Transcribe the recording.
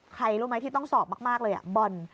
ใครรู้ไหมที่ต้องสอบมากเลยบอล